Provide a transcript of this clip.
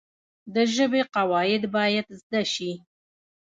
د ژبي قواعد باید زده سي.